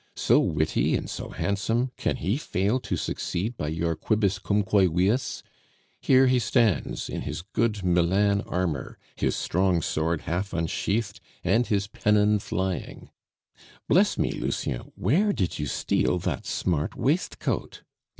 So witty and so handsome, can he fail to succeed by your quibuscumque viis? Here he stands, in his good Milan armor, his strong sword half unsheathed, and his pennon flying! Bless me, Lucien, where did you steal that smart waistcoat?